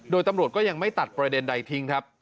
โดยตำรวจก็ยังไม่ตัดประเด็นใดทิ้งครับ